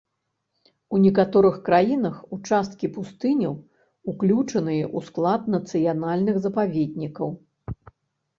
У некаторых краінах участкі пустыняў уключаныя ў склад нацыянальных запаведнікаў.